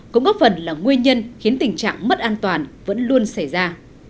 cũng góp phần là nguyên nhân khiến tình trạng mất an toàn vẫn luôn xảy ra